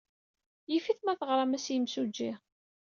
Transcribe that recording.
Yif-it ma teɣram-as i yimsujji.